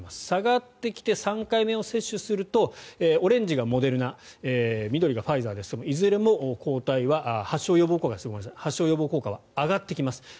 下がってきて３回目を接種するとオレンジがモデルナ緑がファイザーいずれも発症予防効果は上がってきます。